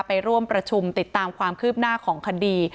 ไปร่วมประชุมติดตามความคืบหน้าของคดี